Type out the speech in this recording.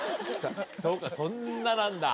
そうかそんななんだ。